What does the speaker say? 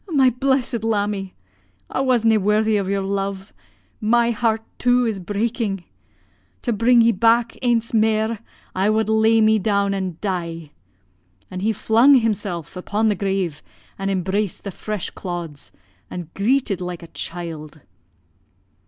my blessed lammie! I was na' worthy o' yer love my heart, too, is breaking. To bring ye back aince mair, I wad lay me down an' dee.' "An' he flung himsel' upon the grave and embraced the fresh clods, and greeted like a child.